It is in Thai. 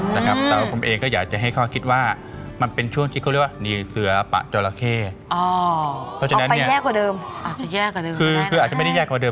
แต่ว่าผมเองก็อยากจะให้เขาคิดว่ามันเป็นช่วงที่เขาเรียกว่าหนีเสือป่าเจ้าระเข้